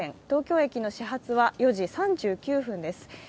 東京駅の始発は４時３９分です